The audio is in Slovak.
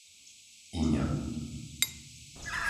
Iňa